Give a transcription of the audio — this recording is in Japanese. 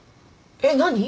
えっ何？